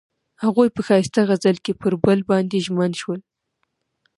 هغوی په ښایسته غزل کې پر بل باندې ژمن شول.